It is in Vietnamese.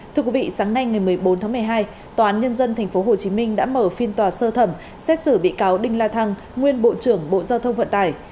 thưa quý vị sáng nay ngày một mươi bốn tháng một mươi hai tòa án nhân dân tp hcm đã mở phiên tòa sơ thẩm xét xử bị cáo đinh la thăng nguyên bộ trưởng bộ giao thông vận tải